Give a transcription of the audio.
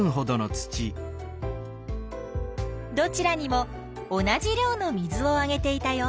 どちらにも同じ量の水をあげていたよ。